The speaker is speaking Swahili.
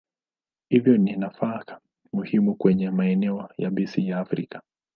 Hivyo ni nafaka muhimu kwenye maeneo yabisi ya Afrika.